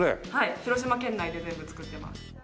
広島県内で全部作ってます。